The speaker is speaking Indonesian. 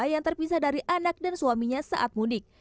yang terpisah dari anak dan suaminya saat mudik